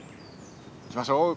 行きましょう！